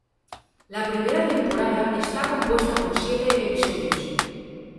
La primera temporada está compuesta por siete episodios.